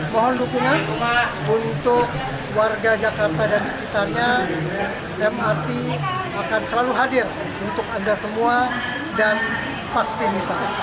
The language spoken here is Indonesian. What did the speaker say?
mohon dukungan untuk warga jakarta dan sekitarnya mrt akan selalu hadir untuk anda semua dan pasti misal